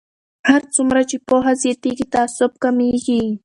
هر څومره چې پوهه زیاتیږي تعصب کمیږي.